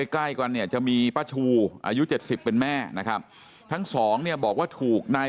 ใกล้กันเนี่ยจะมีป้าชูอายุ๗๐เป็นแม่นะครับทั้งสองเนี่ยบอกว่าถูกนาย